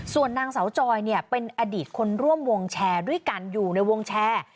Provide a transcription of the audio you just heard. ส่วนนางเสาจอยเป็นอดีตคนร่วมวงแชร์ด้วยกันอยู่ในวงแชร์